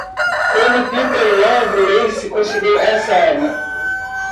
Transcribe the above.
Como Peter Lovelace conseguiu essa arma?